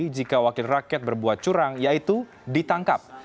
jika wakil rakyat berbuat curang yaitu ditangkap